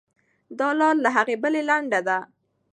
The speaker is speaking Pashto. دا لار له هغې بلې لنډه ده.